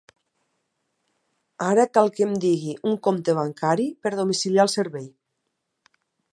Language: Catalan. Ara cal que em digui un compte bancari per domiciliar el servei.